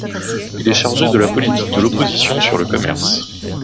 Il est chargé de la politique de l'opposition sur le Commerce.